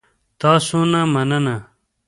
تاسو نه مننه